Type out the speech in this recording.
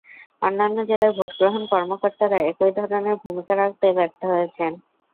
অন্যান্য জেলায় ভোট গ্রহণ কর্মকর্তারা একই ধরনের ভূমিকা রাখতে ব্যর্থ হয়েছেন।